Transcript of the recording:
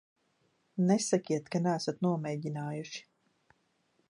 Nesakiet, ka neesat nomēģinājuši.